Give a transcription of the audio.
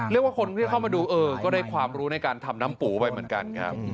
เรียกว่าคนที่เข้ามาดูเออก็ได้ความรู้ในการทำน้ำปูไปเหมือนกันครับ